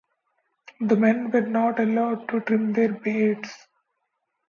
The men were not allowed to trim their beards.